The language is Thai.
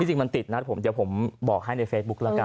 จริงมันติดนัดผมเดี๋ยวผมบอกให้ในเฟซบุ๊คละกัน